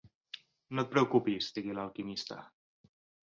"No et preocupis", digué l'alquimista.